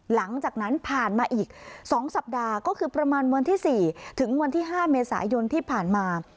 หลังจากนั้นผ่านมาอีก๒สัปดาห์ก็คือประมาณวันที่๔ถึงวันที่๕เมษายนที่ผ่านมา